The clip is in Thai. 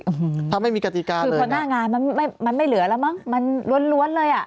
อืมถ้าไม่มีกติกาคือพอหน้างานมันไม่มันไม่เหลือแล้วมั้งมันล้วนล้วนเลยอ่ะ